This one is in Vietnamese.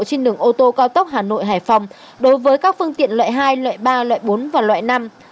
trên đường ô tô cao tốc hà nội hải phòng đối với các phương tiện loại hai loại ba loại bốn và loại năm